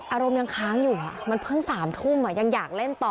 อารมณ์ยังค้างอยู่มันเพิ่ง๓ทุ่มยังอยากเล่นต่อ